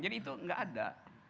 jadi itu nggak ada